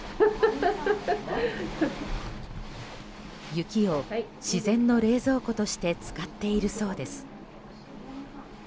雪を自然の冷蔵庫として使っているそうです。